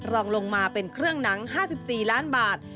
รองลงมาเป็นเครื่องหนัง๕๔ล้านบาท